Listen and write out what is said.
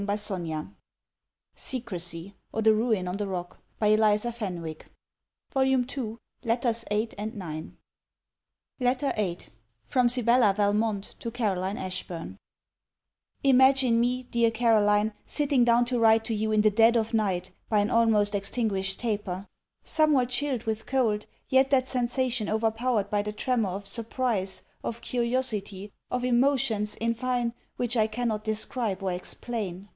At some future period, I shall subscribe myself your very rich and happy humble servant, FILMAR LETTER VIII FROM SIBELLA VALMONT TO CAROLINE ASHBURN Imagine me, Dear Caroline, sitting down to write to you in the dead of night, by an almost extinguished taper: Somewhat chilled with cold; yet that sensation overpowered by the tremor of surprise, of curiosity, of emotions, in fine, which I cannot describe or explain.